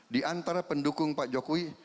di antara pendukung pak jokowi